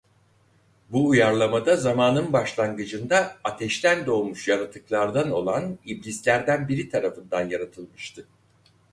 Bu uyarlamada zamanın başlangıcında ateşten doğmuş yaratıklardan olan iblislerden biri tarafından yaratılmıştı.